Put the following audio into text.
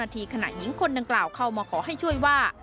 ทีขณะหญิงคนดังกล่าวเข้ามาขอให้ช่วยว่า